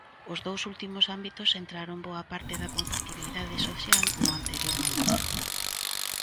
Os dous últimos ámbitos centraron boa parte da conflitividade social no anterior mandato.